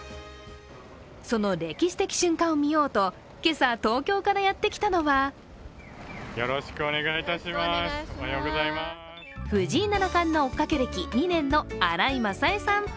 その歴史的瞬間を見ようと今朝、東京からやってきたのは藤井七冠の追っかけ歴２年の新井雅恵さん。